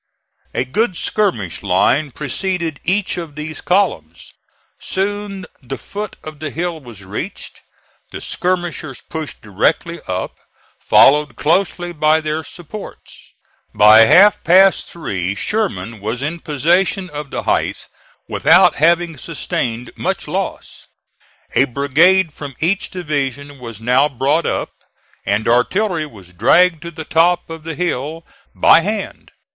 A good skirmish line preceded each of these columns. Soon the foot of the hill was reached; the skirmishers pushed directly up, followed closely by their supports. By half past three Sherman was in possession of the height without having sustained much loss. A brigade from each division was now brought up, and artillery was dragged to the top of the hill by hand.